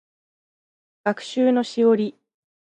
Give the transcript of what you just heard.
学習のしおり